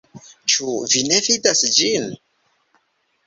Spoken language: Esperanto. Ĉu vi ne vidas ĝin?